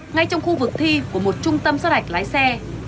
ngay trong khu vực thi của một trung tâm sát hạch lái xe